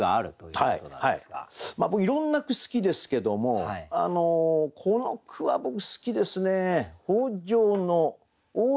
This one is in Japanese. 僕いろんな句好きですけどもこの句は僕好きですね。